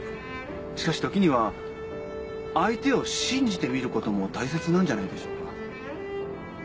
しかしときには相手を信じてみることも大切なんじゃないでしょうか。